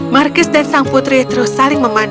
markis dan sang putri terus saling mencari makanan